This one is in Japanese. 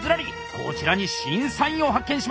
こちらに審査員を発見しました！